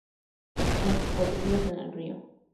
Hay cocodrilos en el río.